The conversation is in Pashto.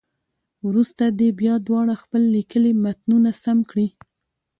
وروسته دې بیا دواړه خپل لیکلي متنونه سم کړي.